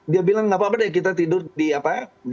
dia bilang nggak apa apa deh kita tidur di apa